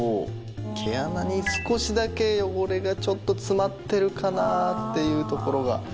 毛穴に少しだけ汚れがちょっと詰まってるかなっていう所が。